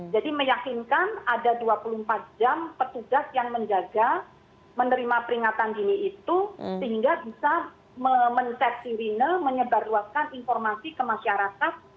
jadi meyakinkan ada dua puluh empat jam petugas yang menjaga menerima peringatan dini itu sehingga bisa mengeksilinel menyebarluaskan informasi ke masyarakat